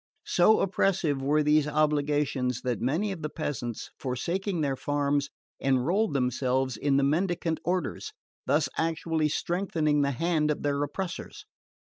So oppressive were these obligations that many of the peasants, forsaking their farms, enrolled themselves in the mendicant orders, thus actually strengthening the hand of their oppressors.